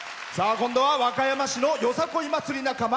今度は和歌山市の、よさこい仲間。